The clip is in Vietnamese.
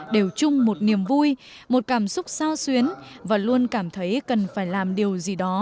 đều chung một niềm vui một cảm xúc sao xuyến và luôn cảm thấy cần phải làm điều gì đó